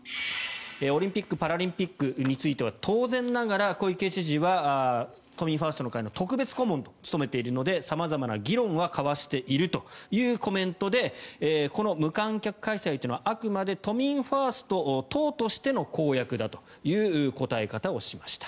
オリンピック・パラリンピックについては当然ながら小池知事は都民ファーストの会の特別顧問を務めているので様々な議論は交わしているというコメントでこの無観客開催というのはあくまで都民ファースト党としての公約だという答え方をしました。